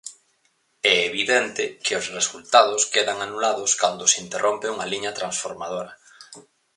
É evidente que os resultados quedan anulados cando se interrompe unha liña transformadora.